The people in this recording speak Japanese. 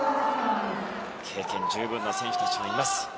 経験十分な選手たちがいます。